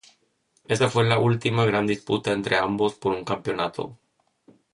Esa fue la última gran disputa entre ambos por un campeonato.